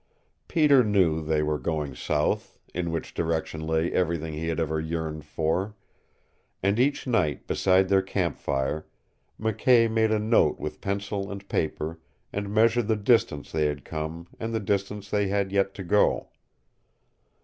Peter knew they were going south, in which direction lay everything he had ever yearned for; and each night beside their campfire McKay made a note with pencil and paper and measured the distance they had come and the distance they had yet to go.